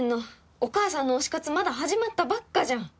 お母さんの推し活まだ始まったばっかじゃん！